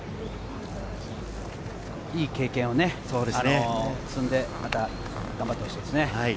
いい経験を積んで、また頑張ってほしいですね。